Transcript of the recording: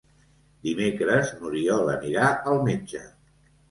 Dimecres n'Oriol anirà al metge.